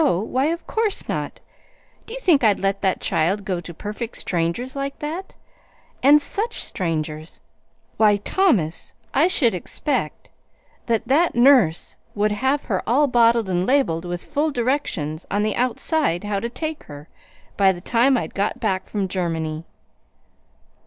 Why, of course not! Do you think I'd let that child go to perfect strangers like that? and such strangers! Why, Thomas, I should expect that that nurse would have her all bottled and labeled with full directions on the outside how to take her, by the time I'd got back from Germany."